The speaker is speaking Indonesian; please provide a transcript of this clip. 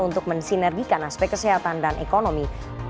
untuk mensinergikan aspek kesehatan dan ekonomi